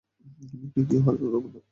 লিকে কেউ হারাতে পারবে না!